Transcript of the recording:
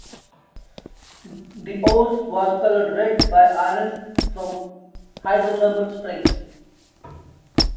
The ooze was colored red by iron from hydrothermal springs.